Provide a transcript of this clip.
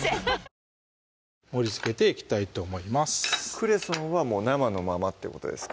クレソンは生のままってことですか